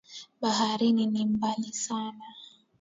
Baharini ni mbali sana.